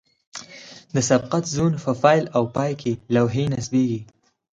د سبقت زون په پیل او پای کې لوحې نصبیږي